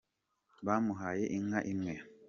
bamuhaye inka imwe